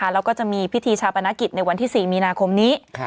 แล้วก็จะมีพิธีชาปนกิจในวันที่๔มีนาคมนี้